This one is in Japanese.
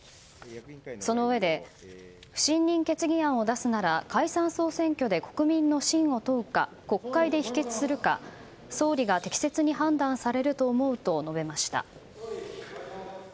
そのうえで不信任決議案を出すなら解散・総選挙で国民の信を問うか国会で否決するか総理が適切に判断されると思うと述べました。